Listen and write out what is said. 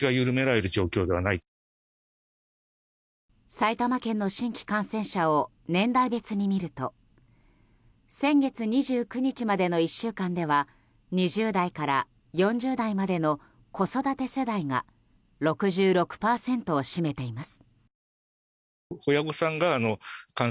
埼玉県の新規感染者を年代別に見ると先月２９日までの１週間では２０代から４０代までの子育て世代が６６％を占めています。